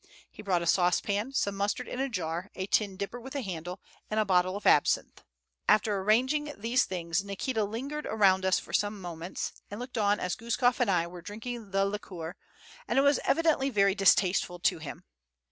He brought a saucepan, some mustard in a jar, a tin dipper with a handle, and a bottle of absinthe. After arranging these things, Nikita lingered around us for some moments, and looked on as Guskof and I were drinking the liquor, and it was evidently very distasteful to him.